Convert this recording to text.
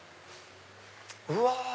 うわ！